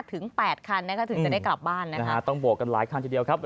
ถึงจะได้กลับบ้านต้องบวกกันหลายคันทีเดียวครับ